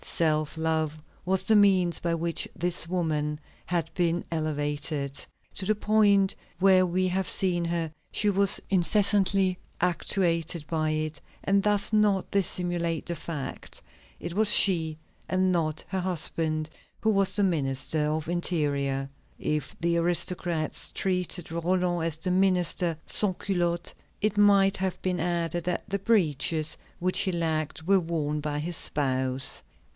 Self love was the means by which this woman had been elevated to the point where we have seen her; she was incessantly actuated by it, and does not dissimulate the fact." It was she, and not her husband, who was Minister of the Interior. If the aristocrats treated Roland as a minister sans culottes, it might have been added that the breeches which he lacked were worn by his spouse.